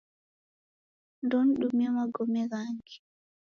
Ndeunidumie magome ghangi